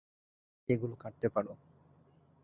এগুলো কাটতে পারো।